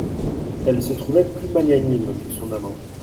Elle se trouvait plus magnanime que son amant.